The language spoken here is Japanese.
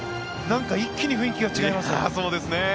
なんか一気に雰囲気が違います。